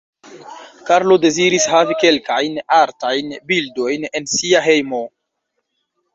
Karlo deziris havi kelkajn artajn bildojn en sia hejmo.